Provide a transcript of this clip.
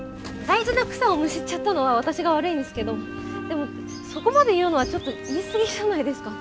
大事な草をむしっちゃったのは私が悪いんですけどでもそこまで言うのはちょっと言い過ぎじゃないですか。